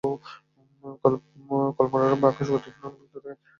কল্পারম্ভে আকাশ গতিহীন, অনভিব্যক্ত থাকে।